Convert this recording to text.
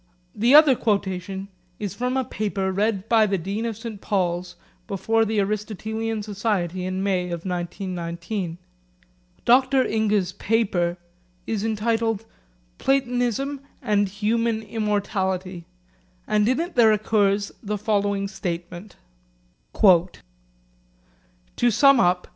The other quotation is from a paper read by the Dean of St Paul's before the Aristotelian Society in May of 1919. Dr Inge's paper is entitled 'Platonism and Human Immortality,' and in it there occurs the following statement: 'To sum up.